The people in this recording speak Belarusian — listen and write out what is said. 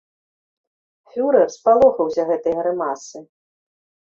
Фюрэр спалохаўся гэтай грымасы.